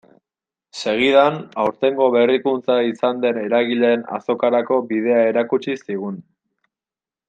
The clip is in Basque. Segidan, aurtengo berrikuntza izan den eragileen azokarako bidea erakutsi zigun.